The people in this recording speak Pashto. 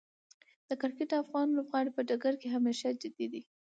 د کرکټ افغان لوبغاړي په ډګر کې همیشه جدي دي.